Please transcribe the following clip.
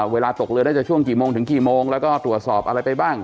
เวลาตกเรือได้จะช่วงกี่โมงถึงกี่โมงแล้วก็ตรวจสอบอะไรไปบ้าง